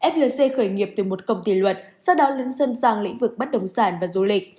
flc khởi nghiệp từ một công ty luật sau đó lưng sân sang lĩnh vực bắt đồng sản và du lịch